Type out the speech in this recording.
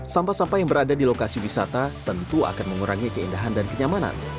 sampah sampah yang berada di lokasi wisata tentu akan mengurangi keindahan dan kenyamanan